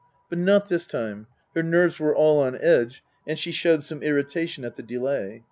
But not this time. Her nerves were all on edge and she showed some irritation at the delay.